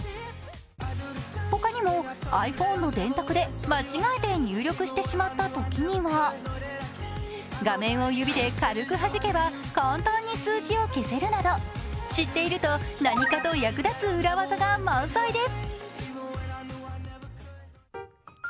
他にもｉＰｈｏｎｅの電卓で間違えて入力してしまったときには、画面を指で軽くはじけば簡単に数字を消せるなど、知っていると何かと役立つ裏技が満載です。